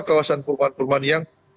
kawasan rumahan rumahan yang